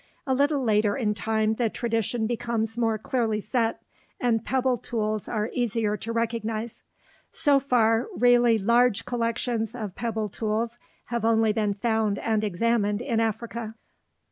A little later in time the tradition becomes more clearly set, and pebble tools are easier to recognize. So far, really large collections of pebble tools have only been found and examined in Africa.